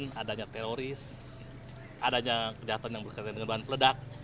dengan adanya teroris adanya kejahatan yang berkaitan dengan bahan peledak